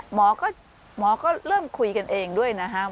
หมอก็เริ่มคุยกันเองด้วยนะครับ